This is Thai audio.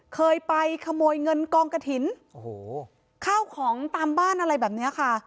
เคยไปขโมยเงินกองกระถิ่นโอ้โหข้าวของตามบ้านอะไรแบบนี้ค่ะ